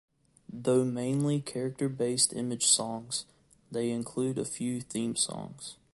Though mainly character-based image songs, they include a few theme songs.